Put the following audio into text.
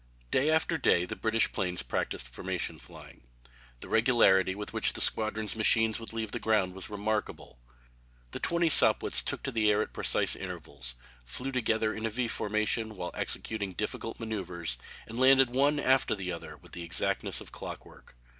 Day after day the British planes practised formation flying. The regularity with which the squadron's machines would leave the ground was remarkable. The twenty Sopwiths took the air at precise intervals, flew together in a V formation while executing difficult manoeuvres, and landed one after the other with the exactness of clockwork.